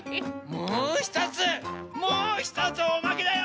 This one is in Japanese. もうひとつもうひとつおまけだよ！